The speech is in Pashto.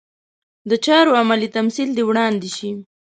د چارو عملي تمثیل دې وړاندې شي.